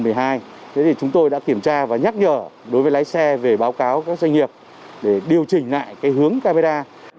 thế thì chúng tôi đã kiểm tra và nhắc nhở đối với lái xe về báo cáo các doanh nghiệp để điều chỉnh lại cái hướng camera